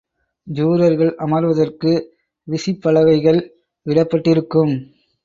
ஜூரர்கள் அமர்வதற்கு விசிப்பலகைகள் இடப்பட்டிருக்கும்.